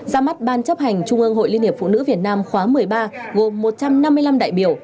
ra mắt ban chấp hành trung ương hội liên hiệp phụ nữ việt nam khóa một mươi ba gồm một trăm năm mươi năm đại biểu